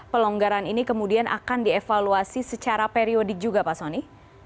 pelonggaran ini kemudian akan dievaluasi secara periodik juga pak soni